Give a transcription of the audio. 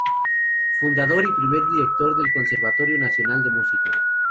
Fundador y primer director del Conservatorio Nacional de Música.